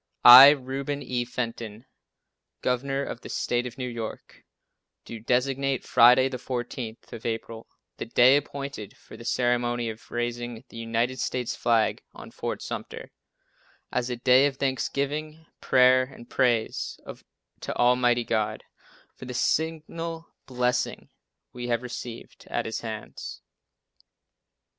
I, Reuben E. Fenton, Governor of the State of New York, do designate Friday, the 14th of April, the day appointed for the ceremony of raising the United States flag on Fort Sumter, as a day of Thanksgiving, prayer and praise to Almighty God, for the signal blessings we have received at His hands."